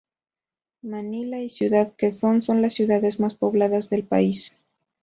Manila y Ciudad Quezón son las ciudades más pobladas del país.